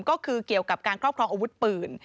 ก็คือเกี่ยวกับการครอบครองอาวุธปืน